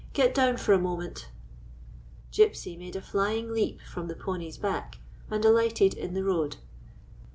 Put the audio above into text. Get down for a moment." Gypsy made a flying leap from the pony's back and alighted in the road.